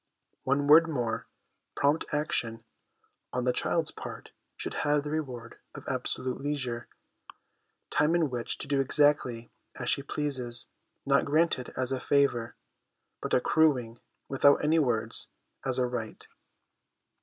One word more, prompt action on the child's part should have the reward of absolute leisure, time in which to do exactly as she pleases, not granted as a favour, but accruing (without any words) as a right.